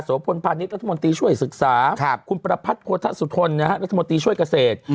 พลพาณิชยรัฐมนตรีช่วยศึกษาคุณประพัทธ์โพธสุทนรัฐมนตรีช่วยเกษตร